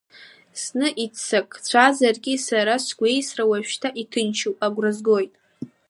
Зны иццакцәазаргь сара сгәеисра, уажәшьҭа иҭынчуп, агәра згоит.